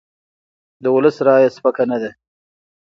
د ولس رایه سپکه نه ده